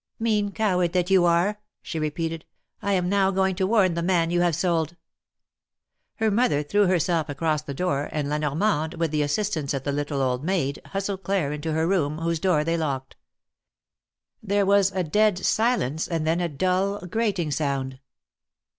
Mean coward that you are !" she repeated. I am now going to warn the man you have sold !" Her mother threw herself across the door, and La Nor mande, with the assistance of the little old maid, hustled Claire into her room, whose door they locked. There was a dead silence, and then a dull, grating sound.